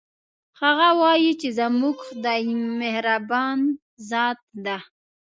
هغه وایي چې زموږ خدایمهربان ذات ده